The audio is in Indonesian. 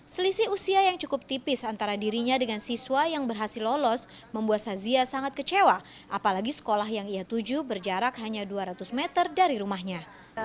selisih usia yang cukup tipis antara dirinya dengan siswa yang berhasil lolos membuat sazia sangat kecewa apalagi sekolah yang ia tuju berjarak hanya dua ratus meter dari rumahnya